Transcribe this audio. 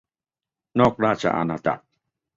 นอกราชอาณาจักร